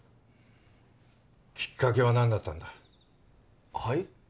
きっかけは何だったんだはい？